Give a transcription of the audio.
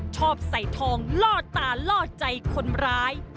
ชอบใส่ทองล่อตาล่อใจคนร้าย